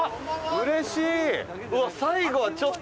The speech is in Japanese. うれしい。